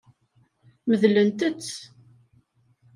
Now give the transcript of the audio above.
Medlemt-tt.